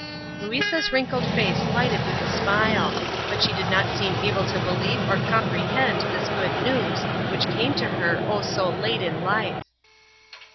Louisa's wrinkled face lighted with a smile; but she did not seem able to believe or comprehend this good news, which came to her, oh, so late in life.